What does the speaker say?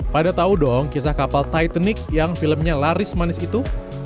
pada tau dong kisah kapal titanic yang filmnya laris manis itu